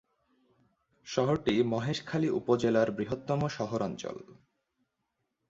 শহরটি মহেশখালী উপজেলার বৃহত্তম শহরাঞ্চল।